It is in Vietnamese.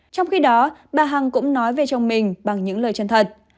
trong khi đó bà hằng cũng nói về chồng mình bằng những lời chân thật